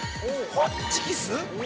◆ホッチキス？